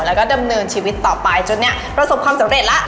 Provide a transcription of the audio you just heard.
แล้วก็ดำเนินชีวิตต่อไปจนเนี่ยประสบความสำเร็จแล้ว